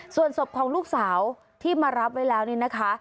ส่วนศพของลูกสาวที่มารับไว้แล้วนี่นะคะ